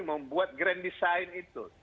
membuat grand design itu